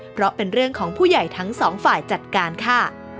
เพราะเป็นเรื่องของผู้ใหญ่ทั้งสองฝ่ายจัดการค่ะ